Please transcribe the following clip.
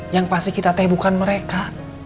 yang pasti kita teh bukan mereka